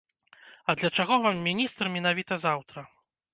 А для чаго вам міністр менавіта заўтра?